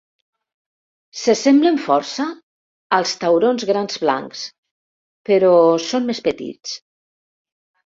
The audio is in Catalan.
Se semblen força als taurons Grans Blancs, però són més petits.